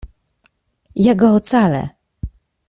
Ja go ocalę!